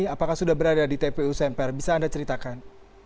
apakah sudah berada di tpu semper bisa anda ceritakan